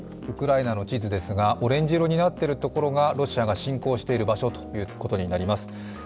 ウクライナの地図ですが、オレンジ色になっているところがロシアが侵攻している場所となります。